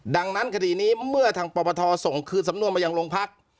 ดังนั้นคดีนี้เมื่อทางปปทส่งคืนสำนวนมายังโรงพัก